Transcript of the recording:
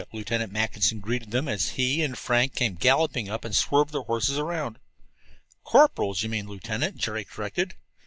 Lieutenant Mackinson greeted them, as he and Frank came galloping up and swerved their horses around. "Corporals, you mean, Lieutenant," Jerry corrected.